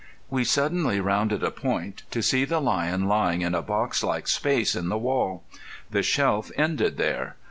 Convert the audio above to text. We suddenly rounded a point, to see the lion lying in a box like space in the wall. The shelf ended there.